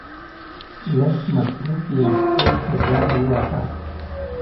لږ مصرف يم ورسته زنګ وواهه.